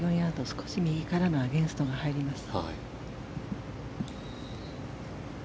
少し右からのアゲンストが入ります。